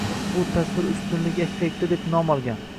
Bu «tasvir ustunligi effekti» deb nom olgan.